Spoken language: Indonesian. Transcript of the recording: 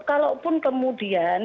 kalau pun kemudian